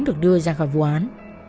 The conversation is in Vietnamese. được đưa ra khỏi vụ án